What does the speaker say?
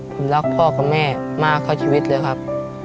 ผมรักพ่อกับแม่มากเท่าชีวิตเลยครับ